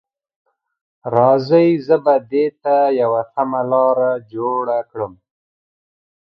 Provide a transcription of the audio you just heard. راځئ، زه به دې ته یوه سمه لاره جوړه کړم.